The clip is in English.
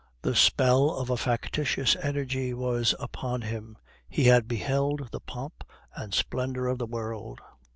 The spell of a factitious energy was upon him; he had beheld the pomp and splendor of the world.